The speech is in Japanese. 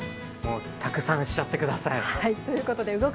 たくさんしちゃってください。